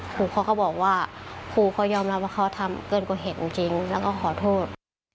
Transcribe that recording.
ครูเขาก็บอกว่าครูก็ยอมรับว่าเขาทำเกินกว่าเหตุจริงแล้วก็ขอโทษ